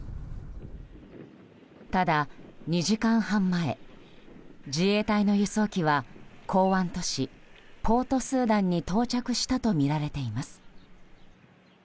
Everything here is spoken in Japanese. ただ、２時間半前自衛隊の輸送機は港湾都市、ポートスーダンに到着したとみられています。